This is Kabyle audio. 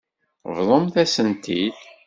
Bḍumt-asen-t-id.